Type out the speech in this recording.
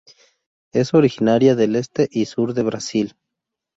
Es originaria del este y sur de Brasil.